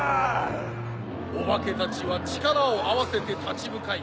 オバケたちはちからをあわせてたちむかい